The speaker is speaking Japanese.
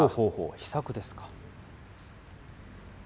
秘策ですか。